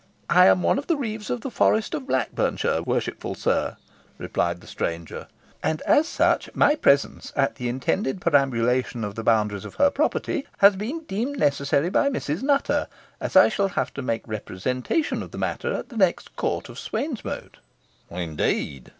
"I am one of the reeves of the forest of Blackburnshire, worshipful sir," replied the stranger, "and as such my presence, at the intended perambulation of the boundaries of her property, has been deemed necessary by Mrs. Nutter, as I shall have to make a representation of the matter at the next court of swainmote." "Indeed!"